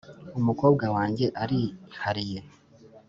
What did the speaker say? umukobwa wanjye arihariye,